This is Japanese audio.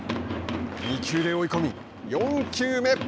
２球で追い込み４球目。